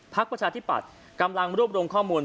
ประชาธิปัตย์กำลังรวบรวมข้อมูล